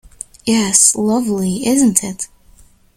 Yes, lovely, isn't it?